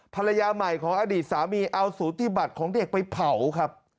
ภรรยาใหม่ของอดีตสามีเอาสูติบัติของเด็กไปเผาครับ